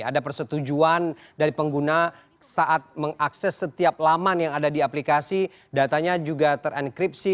ada persetujuan dari pengguna saat mengakses setiap laman yang ada di aplikasi datanya juga terenkripsi